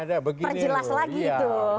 iya begini pertanyaannya